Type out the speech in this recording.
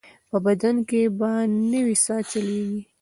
په بدن کې به نوې ساه چلېږي.